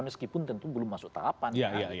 meskipun tentu belum masuk tahapan